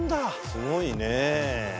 すごいね。